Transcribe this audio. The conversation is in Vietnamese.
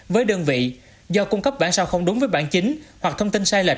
với đơn vị do cung cấp bản sao không đúng với bản chính hoặc thông tin sai lệch